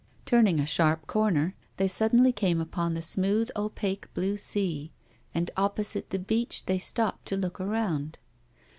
Turning a sharp corner, they suddenly came upon the smooth opaque blue sea, and opposite the beach they stopped to look around.